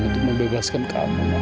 untuk membebaskan kamu pak